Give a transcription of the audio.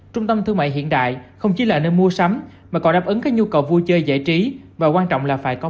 trung tâm thương mại hiện đại không chỉ là nơi mua sắm mà còn đáp ứng các nhu cầu vui chơi giải trí